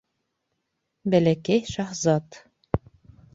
Бәләкәй шаһзат